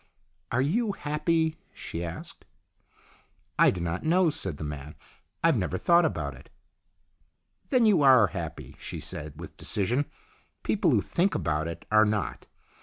" Are you happy ?" she asked. " I do not know," said the man. " I have never thought about it." " Then you are happy," she said with decision. " People who think about it are not.